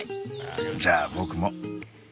じゃあ僕も。